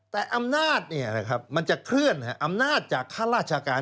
แต่อำนาจเนี่ยนะครับมันจะเคลื่อนอำนาจจากข้าราชการ